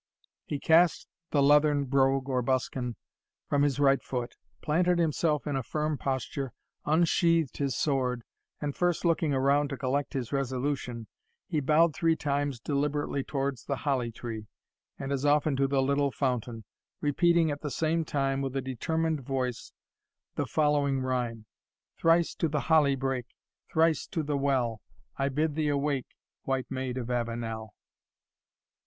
He cast the leathern brogue or buskin from his right foot, planted himself in a firm posture, unsheathed his sword, and first looking around to collect his resolution, he bowed three times deliberately towards the holly tree, and as often to the little fountain, repeating at the same time, with a determined voice, the following rhyme: "Thrice to the holly brake Thrice to the well: I bid thee awake, White Maid of Avenel!